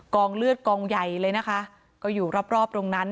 เลือดกองใหญ่เลยนะคะก็อยู่รอบรอบตรงนั้น